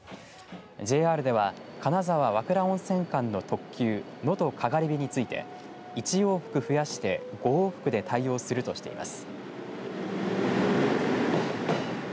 ＪＲでは金沢・和倉温泉間の特急能登かがり火について１往復増やして５往復で対応するとしています。